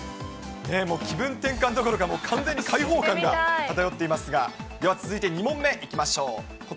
気分転換どころか、完全に解放感が漂っていますが、では、続いて２問目いきましょう。